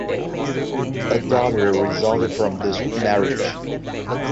A daughter resulted from this marriage.